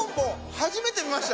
はじめて見ました。